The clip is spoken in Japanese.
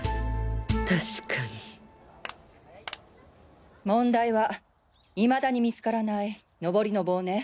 確かに問題は未だに見つからないノボリの棒ね。